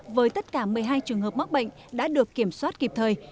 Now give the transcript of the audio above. với tất cả một mươi hai trường hợp mắc bệnh đã được kiểm soát kịp thời